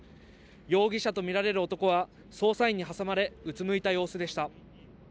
容疑者と見られる男は捜査員に挟まれ、うつむいた様子でした。